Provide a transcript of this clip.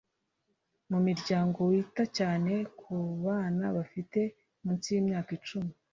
mu miryango wita cyane ku bana bafite munsi y'imyaka icumi